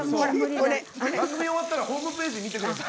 これ終わったらホームページ見てください。